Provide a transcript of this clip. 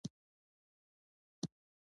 سوداګري د اقتصاد لویه برخه وه